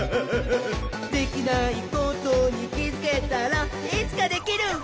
「できないことにきづけたらいつかできるひゃっほ」